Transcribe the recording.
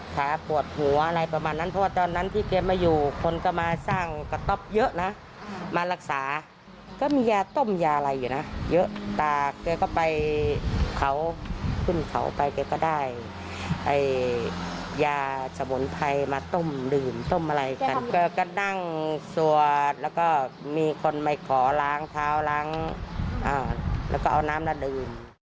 ก็นั่งสัวร์ตและมีคนมาขอล้างเท้าล้างเอ้าร้องน้ำแล้วดื่ม